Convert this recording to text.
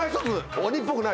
鬼っぽくない？